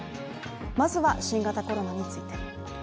まずは新型コロナについて。